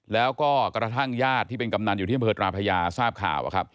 แล้วก็กระทั่งญาติที่เป็นกำนันอยู่ที่อำเภอตราพญาทราบข่าว